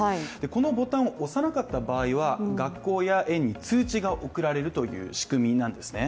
このボタンを押さなかった場合は、学校や園に通知が送られるという仕組みなんですね。